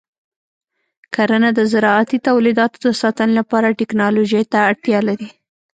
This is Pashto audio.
کرنه د زراعتي تولیداتو د ساتنې لپاره ټیکنالوژۍ ته اړتیا لري.